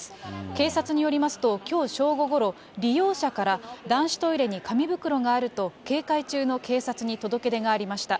警察によりますと、きょう正午ごろ、利用者から、男子トイレに紙袋があると警戒中の警察に届け出がありました。